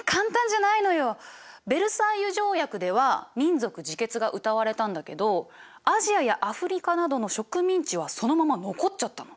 ヴェルサイユ条約では民族自決がうたわれたんだけどアジアやアフリカなどの植民地はそのまま残っちゃったの。